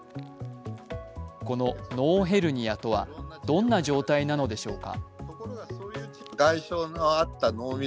この脳ヘルニアとは、どんな状態なのでしょうか。